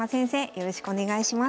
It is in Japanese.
よろしくお願いします。